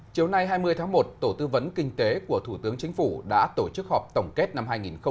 chiều nay hai mươi tháng một tổ tư vấn kinh tế của thủ tướng chính phủ đã tổ chức họp tổng kết năm hai nghìn một mươi chín